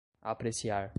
apreciar